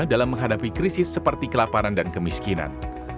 dalam menghadapi krisis seperti kelaparan dan kemiskinan